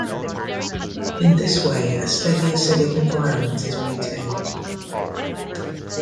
In this way a steady acidic environment is maintained.